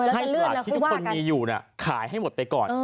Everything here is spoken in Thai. ให้ตลาดที่ทุกคนมีอยู่ขายให้หมดไปก่อน